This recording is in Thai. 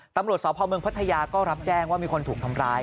ตำรวจสพเมืองพัทยาก็รับแจ้งว่ามีคนถูกทำร้าย